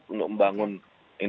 jadi itu yang membuatnya lebih baik